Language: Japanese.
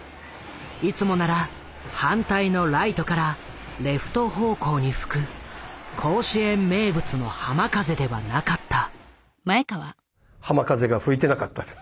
いつもなら反対のライトからレフト方向に吹く甲子園名物の浜風ではなかった。